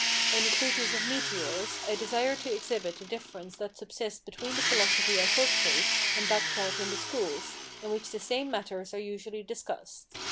In the treatise of Meteors, I desired to exhibit the difference that subsists between the philosophy I cultivate and that taught in the schools, in which the same matters are usually discussed.